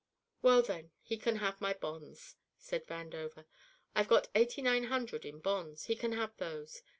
"Well, then, he can have my bonds," said Vandover. "I've got eighty nine hundred in bonds; he can have those.